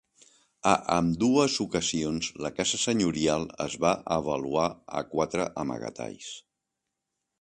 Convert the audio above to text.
A ambdues ocasions, la casa senyorial es va avaluar a quatre amagatalls.